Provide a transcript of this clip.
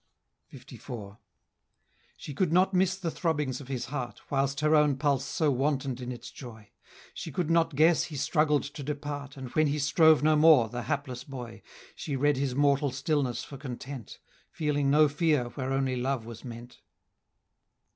LIV. She could not miss the throbbings of his heart, Whilst her own pulse so wanton'd in its joy; She could not guess he struggled to depart, And when he strove no more, the hapless boy! She read his mortal stillness for content, Feeling no fear where only love was meant.